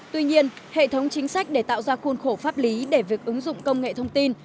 tuy nhiên hệ thống chính sách để tạo ra khuôn khổ pháp lý để việc ứng dụng công nghệ thông tin